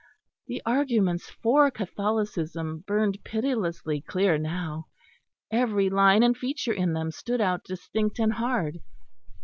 The arguments for Catholicism burned pitilessly clear now; every line and feature in them stood out distinct and hard.